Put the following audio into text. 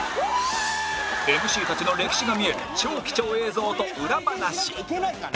ＭＣ たちの歴史が見える超貴重映像と裏話